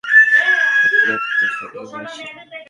আপনি একটা ছেলেকে মেরেছেন?